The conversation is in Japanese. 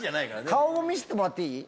顔見せてもらっていい？